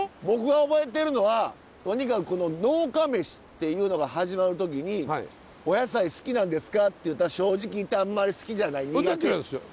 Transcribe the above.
僕が覚えてるのはとにかくこの「農家メシ！」っていうのが始まる時に「お野菜好きなんですか？」って言うたら「正直言ってあんまり好きじゃない」。